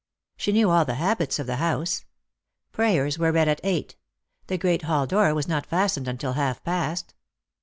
She knew all the habits of the house. Prayers were read at eight. The great hall door was not fastened until half past.